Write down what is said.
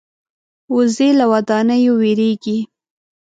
وزې له ودانیو وېرېږي